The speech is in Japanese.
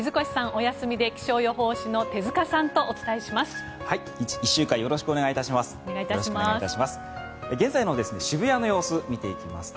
お休みで気象予報士の手塚さんとお伝えします。